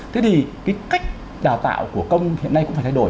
thế thì cái cách đào tạo của công hiện nay cũng phải thay đổi